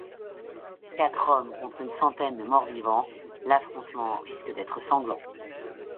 Quatre hommes contre une centaine de mort-vivants, l'affrontement risque d'être sanglant...